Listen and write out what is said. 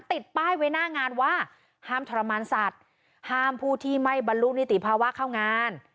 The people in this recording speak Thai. ติดป้ายไว้หน้างานว่าห้ามทรมานสัตว์ห้ามผู้ที่ไม่บรรลุนิติภาวะเข้างาน